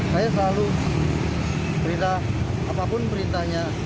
saya selalu berita apapun beritanya